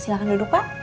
silahkan duduk pak